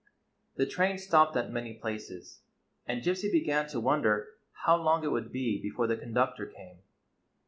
The train stopped at many places, and Gypsy began to wonder how long it would be before the con ductor came.